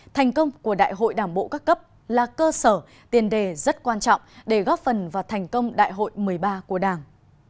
thành công của đại hội đảng bộ các cấp là cơ sở tiền đề rất quan trọng để góp phần vào thành công đại hội một mươi ba của đảng